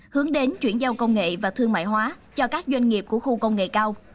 hướng đến chuyển giao công nghệ và thương mại hóa cho các doanh nghiệp của khu công nghệ cao